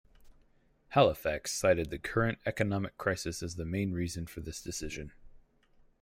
Halifax cited the current economic crisis as the main reason for this decision.